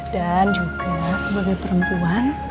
dan juga sebagai perempuan